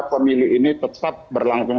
pemilih ini tetap berlangsung